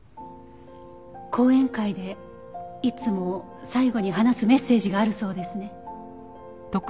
講演会でいつも最後に話すメッセージがあるそうですね。